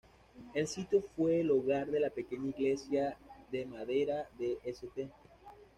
El sitio fue el hogar de la pequeña Iglesia de madera de St.